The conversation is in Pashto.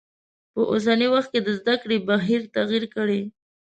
په اوسنی وخت کې د زده کړی بهیر تغیر کړی.